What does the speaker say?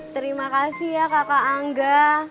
terima kasih ya kakak angga